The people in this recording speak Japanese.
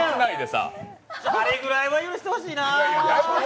あれぐらいは許してほしいな。